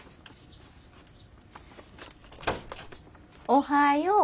おはよう。